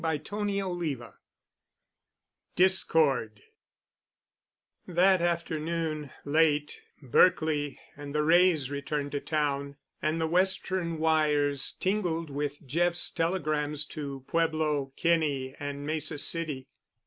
*CHAPTER XI* *DISCORD* That afternoon late, Berkely and the Wrays returned to town, and the Western wires tingled with Jeff's telegrams to Pueblo, Kinney, and Mesa City.